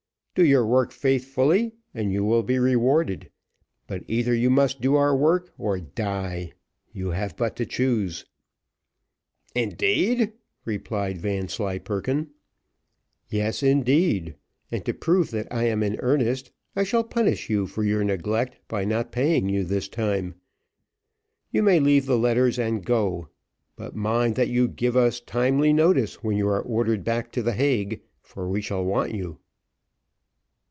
Do your work faithfully, and you will be rewarded; but either you must do our work or die. You have but to choose." "Indeed!" replied Vanslyperken. "Yes, indeed! And to prove that I am in earnest, I shall punish you for your neglect, by not paying you this time. You may leave the letters and go. But mind that you give us timely notice when you are ordered back to the Hague, for we shall want you."